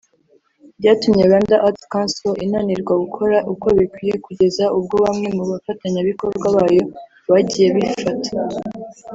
byatumye Rwanda Arts Council inanirwa gukora uko bikwiye kugeza ubwo bamwe mu bafatanyabikorwa bayo bagiye bifata